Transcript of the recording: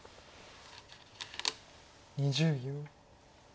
２０秒。